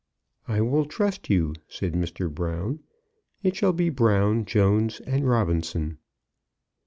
"I will trust you," said Mr. Brown. "It shall be Brown, Jones, and Robinson."